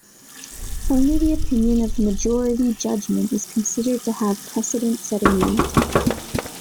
Only the opinion of the majority judgment is considered to have precedent-setting weight.